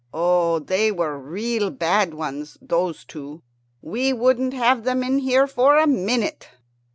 Oh, they were real bad ones, those two. We wouldn't have them in here for a minute.